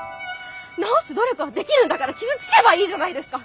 治す努力はできるんだから傷つけばいいじゃないですか！